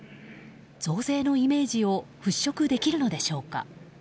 増税のイメージを払拭できるのでしょうか。